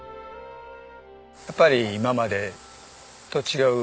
やっぱり今までと違う生き方。